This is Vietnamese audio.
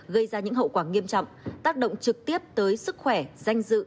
gây ra những hậu quả nghiêm trọng tác động trực tiếp tới sức khỏe danh dự